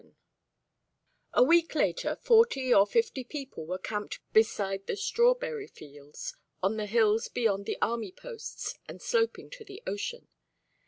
VII A week later forty or fifty people were camped beside the strawberry fields on the hills beyond the army posts and sloping to the ocean.